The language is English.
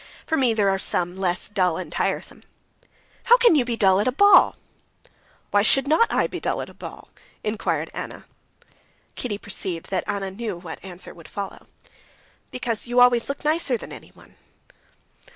"For me there are some less dull and tiresome." "How can you be dull at a ball?" "Why should not I be dull at a ball?" inquired Anna. Kitty perceived that Anna knew what answer would follow. "Because you always look nicer than anyone."